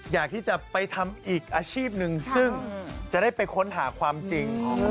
อยากที่จะไปทำอีกอาชีพหนึ่งซึ่งจะได้ไปค้นหาความจริง